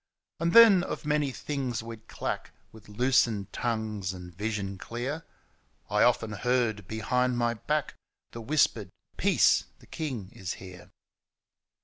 And then of many things we'd clack With loosened tongues and visions clear ^ I often heard behind my back The, whispered ' Peace, the king is here